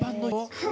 はい。